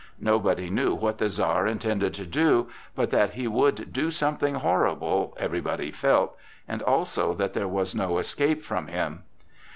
Nobody knew what the Czar intended to do, but that he would do something horrible, everybody felt, and also that there was no escape from him.